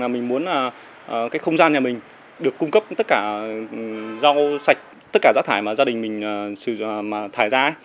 mình muốn cái không gian nhà mình được cung cấp tất cả rau sạch tất cả rác thải mà gia đình mình thải ra